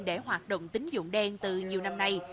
để hoạt động tính dụng đen từ nhiều năm nay